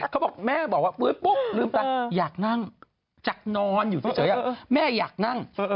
เขาบอกแม่บอกว่าฟื้นปุ๊บลืมตังค์อยากนั่งจากนอนอยู่เฉยแม่อยากนั่ง